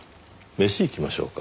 飯行きましょうか。